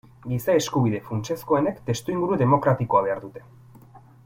Giza-eskubide funtsezkoenek testuinguru demokratikoa behar dute.